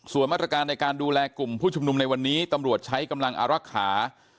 ส่วนมาตรการในการดูแลกลุ่มผู้ชุมนุมในวันนี้ตำรวจใช้กำลังอารักษา